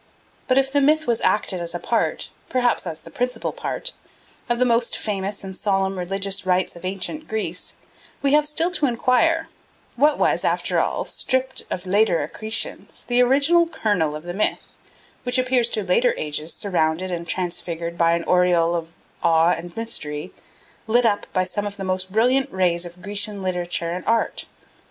But if the myth was acted as a part, perhaps as the principal part, of the most famous and solemn religious rites of ancient Greece, we have still to enquire, What was, after all, stripped of later accretions, the original kernel of the myth which appears to later ages surrounded and transfigured by an aureole of awe and mystery, lit up by some of the most brilliant rays of Grecian literature and art?